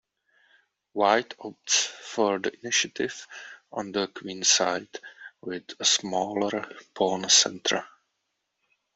White opts for the initiative on the queenside with a smaller pawn center.